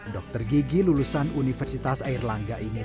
dokter gigi lulusan universitas air langga ini